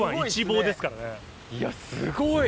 いやすごい！